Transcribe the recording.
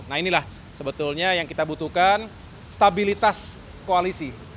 nah inilah sebetulnya yang kita butuhkan stabilitas koalisi